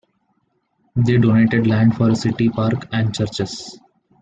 They donated land for a city park and churches.